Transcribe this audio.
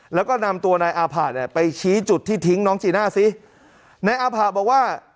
แล้วก็นำตัวนายอาผะเนี่ยไปชี้จุดที่ทิ้งน้องจีน่าซินายอาผะบอกว่า